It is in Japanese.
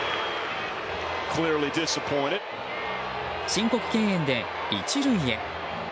申告敬遠で１塁へ。